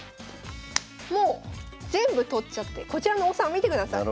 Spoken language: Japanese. もう全部取っちゃってこちらの王様見てください。